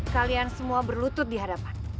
kalian semua berlutut di hadapan